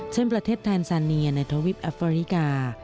เช่นประเทศแทนซาเนียในทวิปแอฟริกา